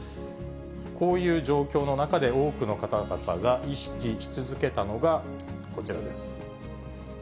こういう状況の中で、多くの方々が意識し続けたのが、こちらです。